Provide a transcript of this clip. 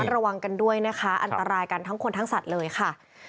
ระวังกันด้วยนะคะอันตรายกันทั้งคนทั้งสัตว์เลยค่ะ